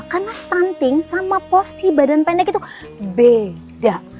karena stunting sama porsi badan pendek itu beda